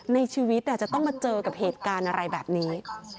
ในชีวิตจะต้องมาเจอกับเหตุการณ์อะไรแบบนี้